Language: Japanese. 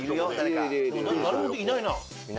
誰もいないな。